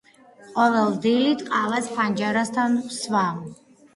ყოველ დილით ყავას ფანჯარასთან ვსვამ.